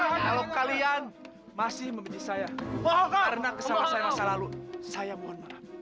kalau kalian masih memilih saya karena kesalahan saya masa lalu saya mohon maaf